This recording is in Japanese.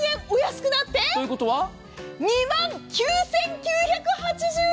お安くなって、２万９９８０円！